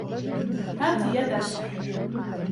هات يدك